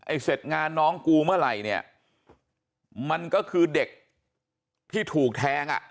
เสร็จงานน้องกูเมื่อไหร่เนี่ยมันก็คือเด็กที่ถูกแทงอ่ะ